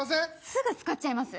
すぐ使っちゃいます。